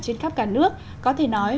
trên khắp cả nước có thể nói